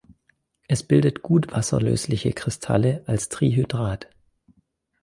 Es bildet gut wasserlösliche Kristalle als Trihydrat.